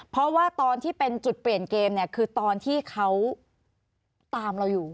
เพราะว่าตอนที่เป็นจุดเปลี่ยนเกมเนี่ยคือตอนที่เขาตามเราอยู่